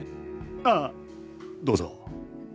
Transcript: あっどうぞ。